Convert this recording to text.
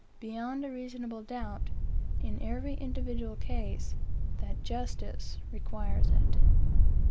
beyond a reasonable doubt, in every individual case, that justice requires it.